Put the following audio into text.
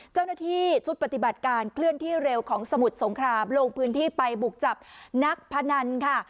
เจ้าหน้าที่ชุดปฏิบัติการเคลื่อนที่เร็วของสมุทรสงครามลงพื้นที่ไปบุกจับนักพนันค่ะ